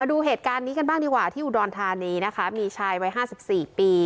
ดูเหตุการณ์นี้กันบ้างดีกว่าที่อุดรธานีนะคะมีชายวัยห้าสิบสี่ปี